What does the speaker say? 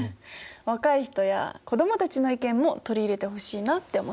若い人や子どもたちの意見も取り入れてほしいなって思いました。